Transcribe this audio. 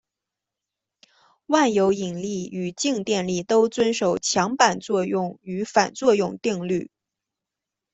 万有引力与静电力都遵守强版作用与反作用定律。